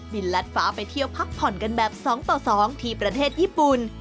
ลัดฟ้าไปเที่ยวพักผ่อนกันแบบ๒ต่อ๒ที่ประเทศญี่ปุ่น